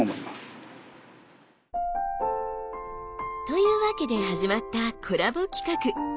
というわけで始まったコラボ企画。